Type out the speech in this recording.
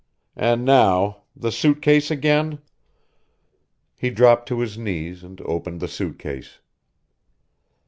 "And now the suit case again." He dropped to his knees and opened the suit case.